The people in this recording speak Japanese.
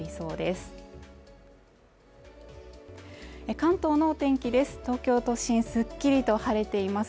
関東のお天気です